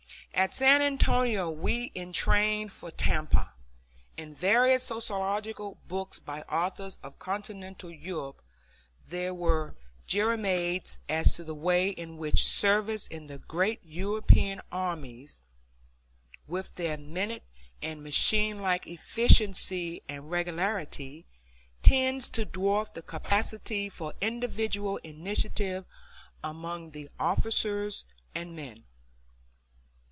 At San Antonio we entrained for Tampa. In various sociological books by authors of Continental Europe, there are jeremiads as to the way in which service in the great European armies, with their minute and machine like efficiency and regularity, tends to dwarf the capacity for individual initiative among the officers and men.